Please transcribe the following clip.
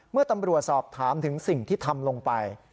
เมื่อตำรวจสอบถามถึงสิ่งที่ทำลงไป